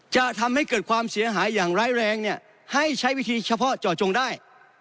จะทำให้เกิดความเสียหายอย่างร้ายแรงเนี่ยให้ใช้วิธีเฉพาะเจาะจงได้